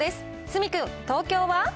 角君、東京は？